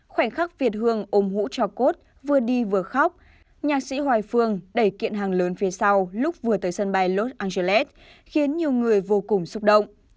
khoảnh khắc việt hương ôm hũ cho cốt vừa đi vừa khóc nhạc sĩ hoài phương đẩy kiện hàng lớn phía sau lúc vừa tới sân bay los angeles khiến nhiều người vô cùng xúc động